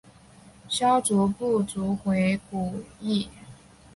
萧族部族回鹘裔。